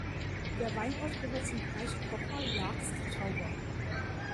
Der Weinort gehört zum Bereich Kocher-Jagst-Tauber.